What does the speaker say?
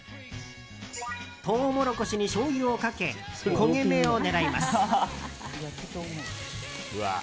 トウモロコシにしょうゆをかけ焦げ目を狙います。